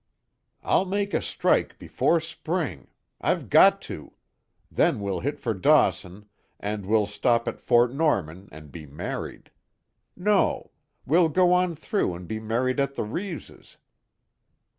"I'll make a strike before spring! I've got to! Then we'll hit for Dawson, and we'll stop at Fort Norman and be married. No we'll go on through and be married at the Reeves'!